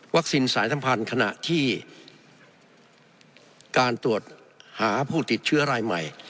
สายสัมพันธ์ขณะที่การตรวจหาผู้ติดเชื้อรายใหม่